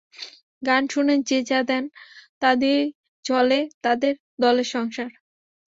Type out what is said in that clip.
গান শুনে যে যা দেন, তা দিয়েই চলে তাঁদের দলের সংসার।